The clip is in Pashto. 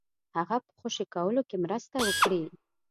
هغه په خوشي کولو کې مرسته وکړي.